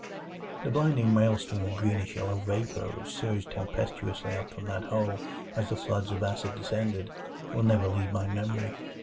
The blinding maelstrom of greenish yellow vapor which surged tempestuously up from that hole as the floods of acid descended, will never leave my memory.